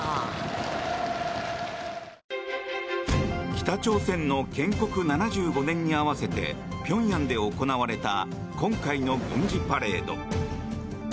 北朝鮮の建国７５年に合わせてピョンヤンで行われた今回の軍事パレード。